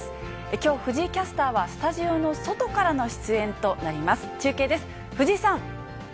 きょう、藤井キャスターは、スタジオの外からの出演となります。